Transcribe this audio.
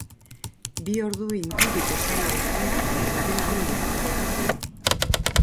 Bi ordu inguruko saioa izan da eta dena ongi atera da.